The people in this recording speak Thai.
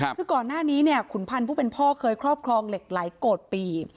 คือก่อนหน้านี้เนี่ยขุนพันธ์ผู้เป็นพ่อเคยครอบครองเหล็กไหลโกรธปี